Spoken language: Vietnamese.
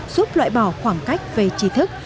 giúp loại bỏ khoảng cách về trí thức